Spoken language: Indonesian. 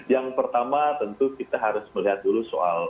yang pertama tentu kita harus melihat dulu soal